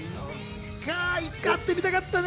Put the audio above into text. いつか会ってみたかったね。